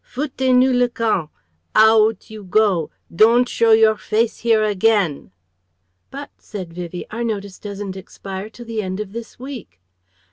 Foutez nous le camp! Aout you go! Don't show your face here again!" "But," said Vivie, "our notice doesn't expire till the end of this week...!"